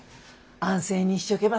安静にしちょけば